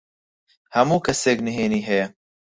هەموو کەسێک نهێنیی هەیە.